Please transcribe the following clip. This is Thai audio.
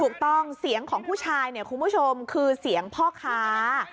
เสียงของผู้ชายเนี่ยคุณผู้ชมคือเสียงพ่อค้า